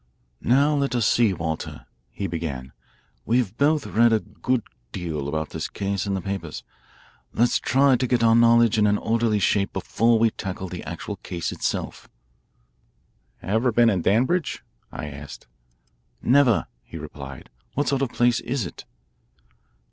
"Now let us see, Walter," he began. "We've both read a good deal about this case in the papers. Let's try to get our knowledge in an orderly shape before we tackle the actual case itself." "Ever been in Danbridge?" I asked. "Never," he replied. "What sort of place is it?"